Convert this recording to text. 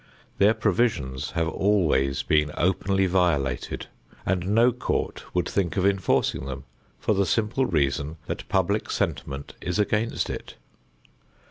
Their provisions have always been openly violated and no court would think of enforcing them, for the simple reason that public sentiment is against it.